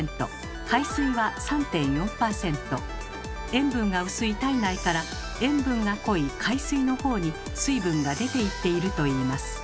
塩分が薄い体内から塩分が濃い海水の方に水分が出ていっているといいます。